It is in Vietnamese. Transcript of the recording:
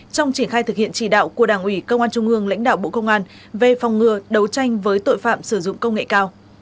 công an tỉnh bắc ninh đã đề nghị công an trung ương lãnh đạo bộ công an về phòng ngừa đấu tranh với tội phạm sử dụng công nghệ cao